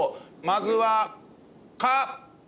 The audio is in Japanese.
まずは「か」。